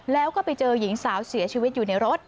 แล้วก็ไปเจอหญิงสาวเสียชีวิตอยู่ในรถ